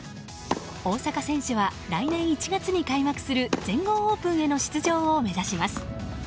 大坂選手は来年１月に開幕する全豪オープンへの出場を目指します。